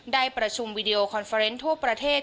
ได้ประชุมวีดีโอคอนเฟอร์เนสทั่วประเทศ